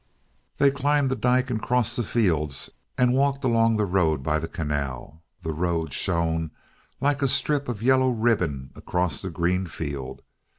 They climbed the dyke and crossed the fields, and walked along the road by the canal. The road shone, like a strip of yellow ribbon across the green field.